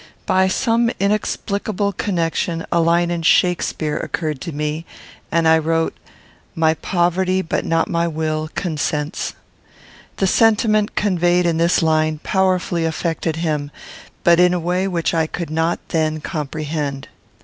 By some inexplicable connection a line in Shakspeare occurred to me, and I wrote, "My poverty, but not my will, consents." The sentiment conveyed in this line powerfully affected him, but in a way which I could not then comprehend.